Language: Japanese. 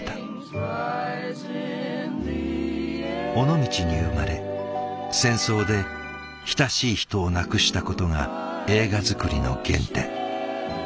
尾道に生まれ戦争で親しい人を亡くしたことが映画作りの原点。